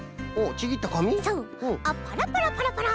あっパラパラパラパラ。